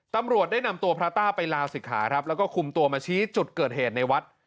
ตำรวจได้นำตัวพระต้าไปลาศิกขาครับแล้วก็คุมตัวมาชี้จุดเกิดเหตุในวัด